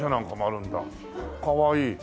かわいい。